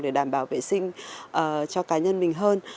để đảm bảo vệ sinh cho cá nhân mình hơn